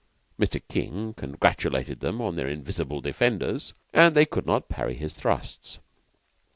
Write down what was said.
Mr. King congratulated them on their invisible defenders, and they could not parry his thrusts.